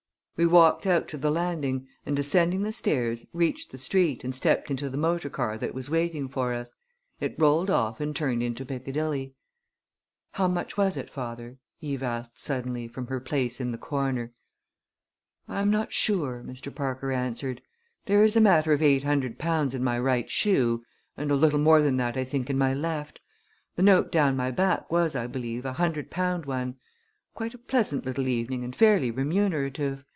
We walked out to the landing and, descending the stairs, reached the street and stepped into the motor car that was waiting for us. It rolled off and turned into Piccadilly. "How much was it, father?" Eve asked suddenly, from her place in the corner. "I am not sure," Mr. Parker answered. "There is a matter of eight hundred pounds in my right shoe, and a little more than that, I think, in my left. The note down my back was, I believe, a hundred pound one. Quite a pleasant little evening and fairly remunerative!